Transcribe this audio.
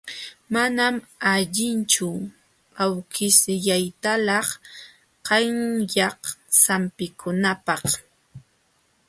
Manam allinchu awkishyaytalaq qalkay sampikunapaq.